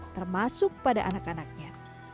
termasuk pada anak anaknya